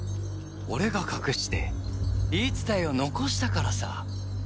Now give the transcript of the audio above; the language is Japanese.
俺が隠して言い伝えを残したからさ。